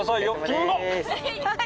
はい！